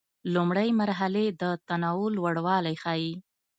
لومړۍ مرحلې د تنوع لوړوالی ښيي.